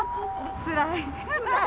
つらい。